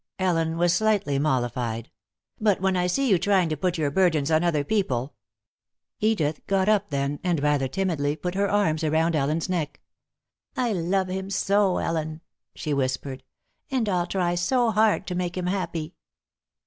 Ellen was slightly mollified. "But when I see you trying to put your burdens on other people " Edith got up then and rather timidly put her arms around Ellen's neck. "I love him so, Ellen," she whispered, "and I'll try so hard to make him happy."